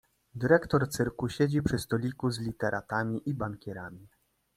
Dyrektor cyrku siedzi przy stoliku z literatami i bankierami.